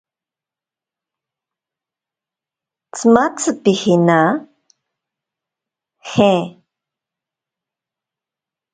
Tsimatzi pijina? ¿je?